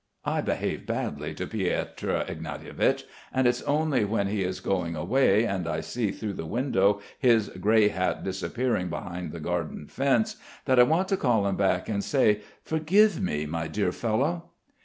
I behave badly to Piotr Ignatievich; and it's only when he is going away and I see through the window his grey hat disappearing behind the garden fence, that I want to call him back and say: "Forgive me, my dear fellow."